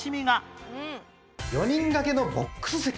４人掛けのボックス席